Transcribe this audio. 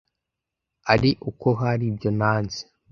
ari uko hari ibyo nanze.